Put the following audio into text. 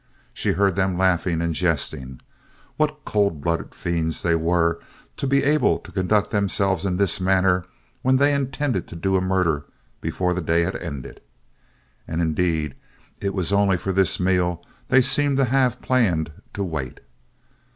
She heard them laughing and jesting. What cold blooded fiends they were to be able to conduct themselves in this manner when they intended to do a murder before the day had ended! And indeed, it was only for this meal they seemed to have planned to wait.